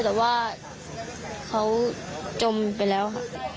แต่ว่าเขาจมไปแล้วค่ะ